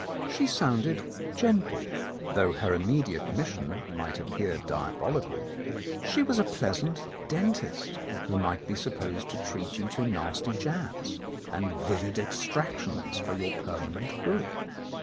She sounded gentle, though her immediate mission might appear diabolical ; she 7 The Countess of Lowndes Square was a pleasant dentist who might be supposed to treat you to nasty jabs and vivid extractions for your permanent good.